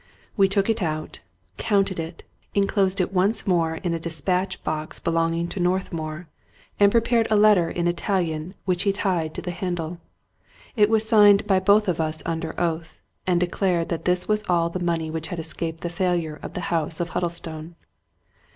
We took it out, counted it, inclosed it once more in a dis patch box belonging to Northmour, and prepared a letter in Italian which he tied to the handle. It was signed by both of us under oath, and declared that this was all the money which had escaped the failure of the house of Hud dlestone.